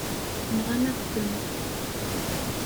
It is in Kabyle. Nɣan-aɣ-ten.